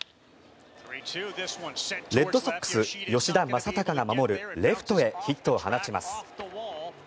レッドソックス、吉田正尚が守るレフトへヒットを放ちます。